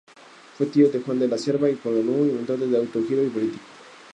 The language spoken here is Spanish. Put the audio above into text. Fue tío de Juan de la Cierva y Codorníu, inventor del autogiro y político.